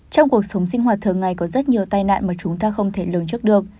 trong cuộc sống sinh hoạt thường ngày có rất nhiều tai nạn mà chúng ta không thể lường trước được